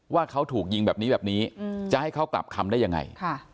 ว่าเขาถูกยิงแบบนี้แบบนี้จะให้เขากลับคำได้ยังไง